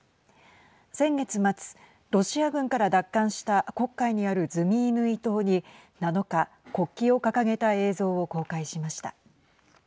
先月末、ロシア軍から奪還した黒海にあるズミイヌイ島に７日、国旗を掲げた映像を公開しました。